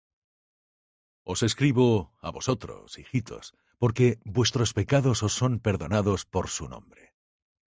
Os escribo á vosotros, hijitos, porque vuestros pecados os son perdonados por su nombre.